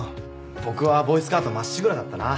僕はボーイスカウトまっしぐらだったな。